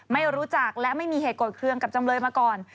ไม่รู้จักและไม่มีเหตุโกรธเครื่องกับจำเลยมาก่อน